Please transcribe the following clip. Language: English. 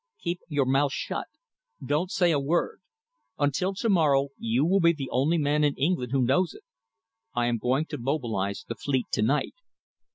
Keep your mouth shut; don't say a word. Until to morrow you will be the only man in England who knows it. I am going to mobilise the fleet to night.